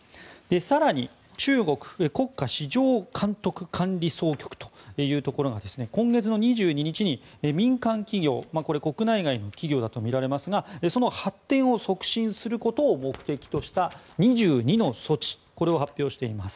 更に、中国国家市場監督管理総局というところが今月の２２日に民間企業国内外の企業だとみられますがその発展を促進することを目的とした２２の措置を発表しています。